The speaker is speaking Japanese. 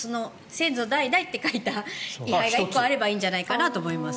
先祖代々って書いた位牌が１個あればいいんじゃないかなと思います。